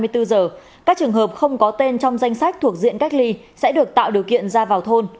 trên hai mươi bốn h các trường hợp không có tên trong danh sách thuộc diện cách ly sẽ được tạo điều kiện ra vào thôn